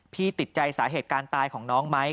ติดใจสาเหตุการณ์ตายของน้องไหม